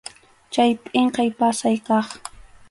Chay pʼinqay pasay kaq.